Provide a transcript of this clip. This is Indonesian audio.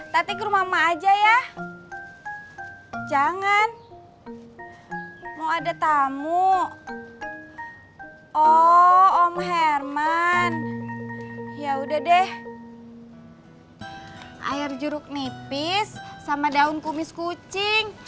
tati ke rumah emak aja ya jangan mau ada tamu oh om herman ya udah deh air jeruk nipis sama daun kumis kucing